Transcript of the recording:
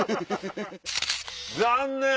残念！